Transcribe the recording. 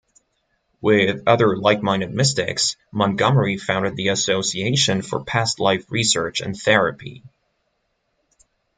With other like-minded mystics, Montgomery founded the Association for Past Life Research and Therapy.